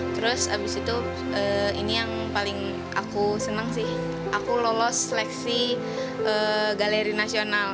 terus abis itu ini yang paling aku senang sih aku lolos seleksi galeri nasional